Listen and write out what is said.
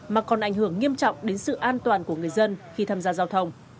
mà còn ảnh hưởng nghiêm trọng đến sự an toàn của người dân khi tham gia giao thông